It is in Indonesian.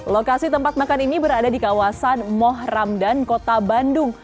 lokasi tempat makan ini berada di kawasan moh ramdan kota bandung